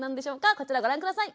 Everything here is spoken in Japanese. こちらご覧下さい。